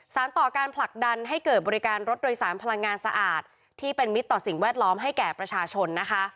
ต่อการผลักดันให้เกิดบริการรถโดยสารพลังงานสะอาดที่เป็นมิตรต่อสิ่งแวดล้อมให้แก่ประชาชนนะคะ